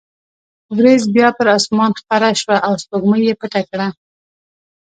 وریځ بیا پر اسمان خپره شوه او سپوږمۍ یې پټه کړه.